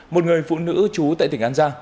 một người phụ nữ trú tại tỉnh an giang